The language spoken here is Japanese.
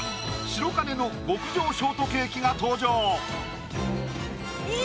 白金の極上ショートケーキが登場！